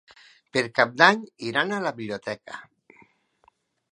Per Cap d'Any iran a la biblioteca.